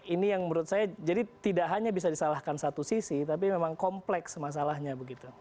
ini yang menurut saya jadi tidak hanya bisa disalahkan satu sisi tapi memang kompleks masalahnya begitu